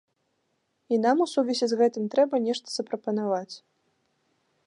І нам у сувязі з гэтым трэба нешта запрапанаваць.